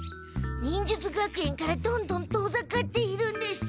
忍術学園からどんどん遠ざかっているんです。